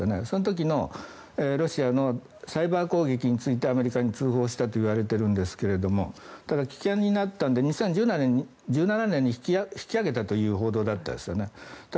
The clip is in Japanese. その時のロシアのサイバー攻撃についてアメリカに通報したといわれているんですがただ、危険になったので２０１７年に引き揚げたという報道だったんですよね。